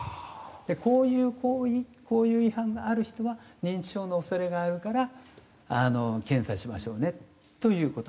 こういう行為こういう違反がある人は認知症の恐れがあるから検査しましょうねという事なんです。